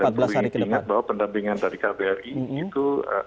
dan perlu diingat bahwa pendampingan dari kbri itu